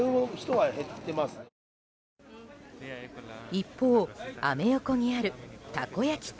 一方、アメ横にあるたこ焼き店。